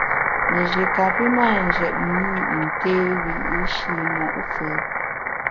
Nji kapi mâ njetne i yin té wiyi’shi mo’ fù’.